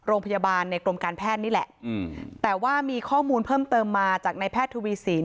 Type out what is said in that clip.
โรงพยาบาลในกรมการแพทย์นี่แหละอืมแต่ว่ามีข้อมูลเพิ่มเติมมาจากในแพทย์ทวีสิน